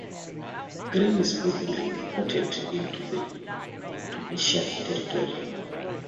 Grain is frequently imported into the Tunisian territory.